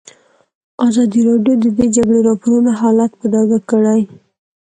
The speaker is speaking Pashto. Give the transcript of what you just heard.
ازادي راډیو د د جګړې راپورونه حالت په ډاګه کړی.